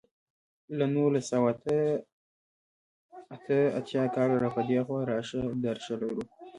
له نولس سوه اته اته کال را په دېخوا راشه درشه لرو.